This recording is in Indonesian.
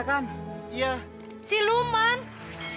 ada yangestetik hoege